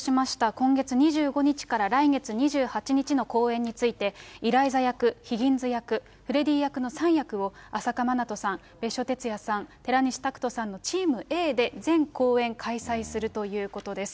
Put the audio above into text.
今月２５日から来月２８日の公演について、イライザ役、ヒギンズ役、フレディ役の３役を、朝夏まなとさん、別所哲也さん、寺西拓人さんのチームＡで、全公演開催するということです。